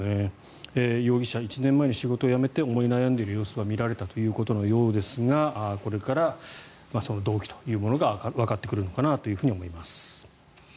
容疑者は１年前に仕事を辞めて思い悩んでいる様子は見られたということのようですがこれからその動機というものがわかってくるのかなと思います。